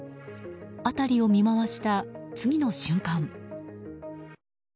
辺りを見回した、次の瞬間。